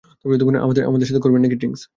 আমাদের সাথে করবেন নাকি ড্রিংক্স?